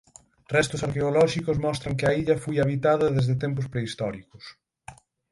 Restos arqueolóxicos mostran que a illa foi habitada desde tempos prehistóricos.